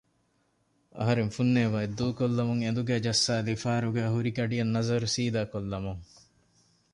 އަހަރެން ފުންނޭވާއެއް ދޫކޮށްލަމުން އެނދުގައި ޖައްސާލީ ފާރުގައި ހުރި ގަޑިއަށް ނަޒަރު ސީދާކޮށްލަމުން